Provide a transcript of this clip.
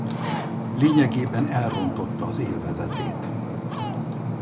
Lényegében elrontotta az élvezetét.